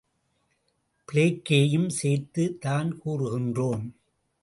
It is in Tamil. பிளேக்கையும் சேர்த்துத் தான் கூறுகின்றோம்!